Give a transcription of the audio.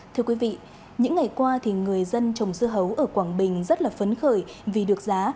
thưa quý vị những ngày qua thì người dân trồng dưa hấu ở quảng bình rất là phấn khởi vì được giá